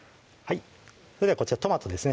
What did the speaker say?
それではこちらトマトですね